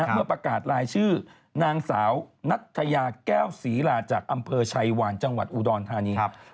เมื่อประกาศรายชื่อนางสาวนัทยาแก้วศรีลาจากอำเภอชัยวานจังหวัดอุดรธานี